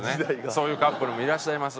そういうカップルもいらっしゃいます。